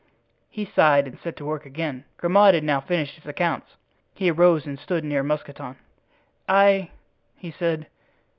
He sighed and set to work again. Grimaud had now finished his accounts. He arose and stood near Mousqueton. "I," he said.